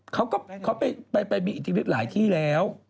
เขาไปบีอิติฤทธิ์หลายที่แล้ว